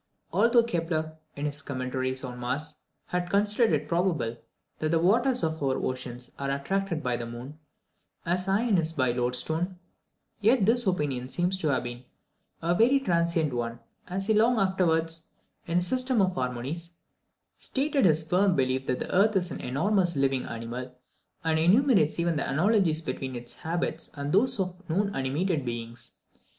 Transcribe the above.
Although Kepler, in his Commentaries on Mars, had considered it probable that the waters of our ocean are attracted by the moon, as iron is by a loadstone, yet this opinion seems to have been a very transient one, as he long afterwards, in his System of Harmonies, stated his firm belief that the earth is an enormous living animal, and enumerates even the analogies between its habits and those of known animated beings.